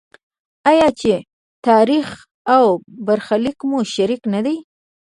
آیا چې تاریخ او برخلیک مو شریک نه دی؟